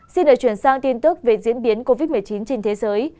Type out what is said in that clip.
xin được chuyển sang tin tức về diễn biến covid một mươi chín trên thế giới